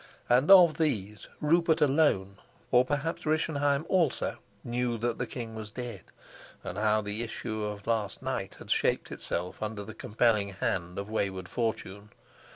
And of these Rupert alone, or perhaps Rischenheim also, knew that the king was dead, and how the issue of last night had shaped itself under the compelling hand of wayward fortune.